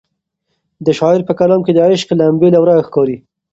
د شاعر په کلام کې د عشق لمبې له ورایه ښکاري.